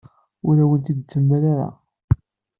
Ur awen-ten-id-temla ara.